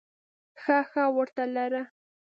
ښه ښه ورته لره !